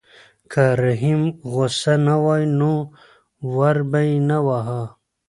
که رحیم غوسه نه وای نو ور به یې نه واهه.